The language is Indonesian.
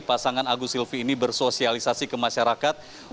pasangan agus silvi ini bersosialisasi ke masyarakat